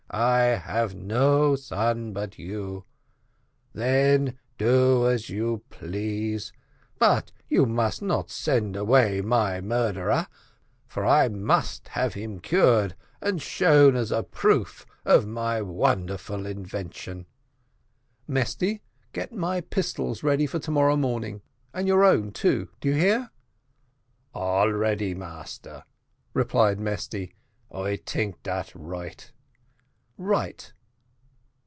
I have no son but you. Then do as you please but you must not send away my murderer, for I must have him cured, and shown as a proof of my wonderful invention." "Mesty, get my pistols ready for to morrow morning, and your own too do ye hear?" "All ready, massa," replied Mesty; "I tink dat right."